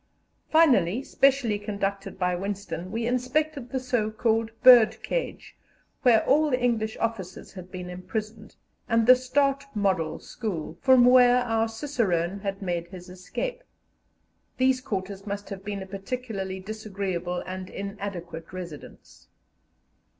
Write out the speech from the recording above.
Finally, specially conducted by Winston, we inspected the so called "Bird cage," where all the English officers had been imprisoned, and the "Staat Model" School, from where our cicerone had made his escape. These quarters must have been a particularly disagreeable and inadequate residence.